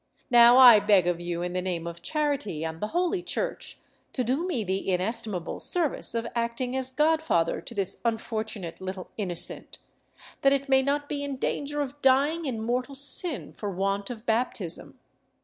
Now I beg of you in the name of charity and the Holy Church to do me the inestimable service of acting as godfather to this unfortunate little innocent, that it may not be in danger of dying in mortal sin for want of baptism.